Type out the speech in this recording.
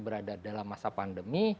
berada dalam masa pandemi